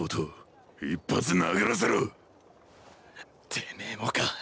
てめえもか。